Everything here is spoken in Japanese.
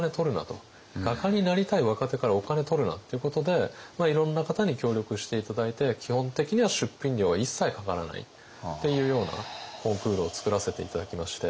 画家になりたい若手からお金取るなっていうことでいろんな方に協力して頂いて基本的には出品料は一切かからないっていうようなコンクールをつくらせて頂きまして。